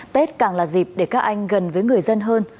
tết càng là dịp để các anh gần với người dân hơn